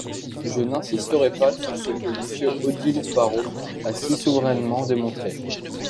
Je n’insisterai pas sur ce que Monsieur Odilon-Barrot a si souverainement démontré.